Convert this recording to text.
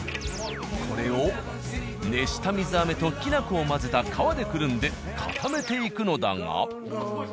これを熱した水飴ときな粉を混ぜた皮でくるんで固めていくのだが。